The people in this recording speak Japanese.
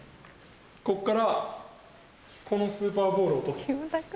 こっからこのスーパーボール落とす。